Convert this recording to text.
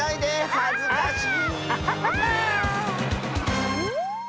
はずかしい。